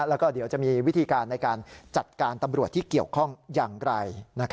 แล้วก็เดี๋ยวจะมีวิธีการในการจัดการตำรวจที่เกี่ยวข้องอย่างไร